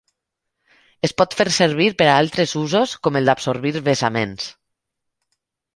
Es pot fer servir per a altres usos com el d'absorbir vessaments.